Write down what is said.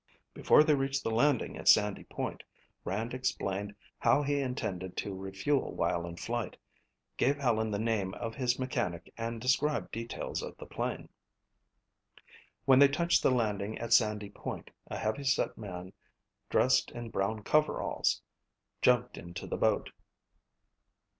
Before they reached the landing at Sandy Point, Rand explained how he intended to refuel while in flight, gave Helen the name of his mechanic and described details of the plane. When they touched the landing at Sandy Point a heavyset man dressed in brown coveralls jumped into the boat.